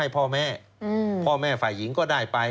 พ่อแม่ฝ่ายงิงก็ได้ไป